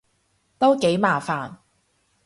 都幾麻煩